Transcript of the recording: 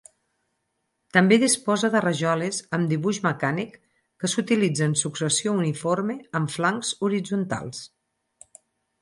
També disposa de rajoles amb dibuix mecànic que s'utilitza en successió uniforme en flancs horitzontals.